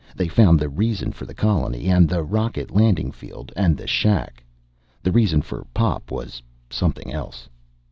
They found the reason for the colony and the rocket landing field and the shack. The reason for Pop was something else.